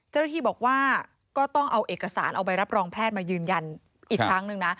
เจ้าหน้าที่บอกว่าก็ต้องเอาเอกสารเอาใบรับรองแพทย์มายืนยันอีกครั้งหนึ่งนะ